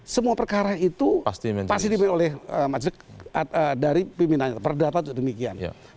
semua perkara itu pasti dipimpin oleh majelis dari pimpinan perdata juga demikian